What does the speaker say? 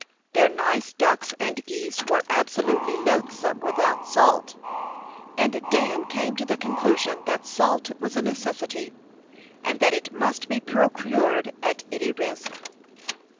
Their nice ducks and geese were absolutely loathsome without salt, and Dan came to the conclusion that salt was a necessity, and that it must be procured at any risk.